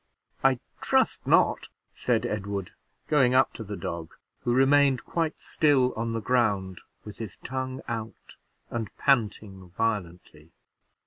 "I trust not," said Edward, going up to the dog, who remained quite still on the ground, with his tongue out, and panting violently.